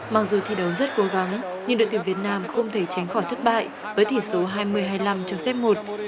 mặc dù thi đấu rất cố gắng nhưng đội tuyển việt nam không thể tránh khỏi thất bại với thỉ số hai mươi hai mươi năm trong xét một